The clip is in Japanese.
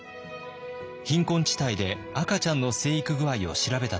貧困地帯で赤ちゃんの成育具合を調べた時のこと。